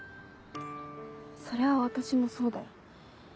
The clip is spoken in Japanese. それは私もそうだよ。